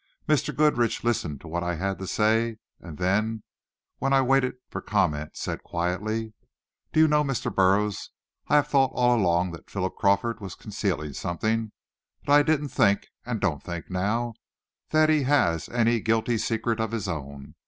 Mr. Goodrich listened to what I had to say, and then, when I waited for comment, said quietly: "Do you know, Mr. Burroughs, I have thought all along that Philip Crawford was concealing something, but I didn't think, and don't think now, that he has any guilty secret of his own.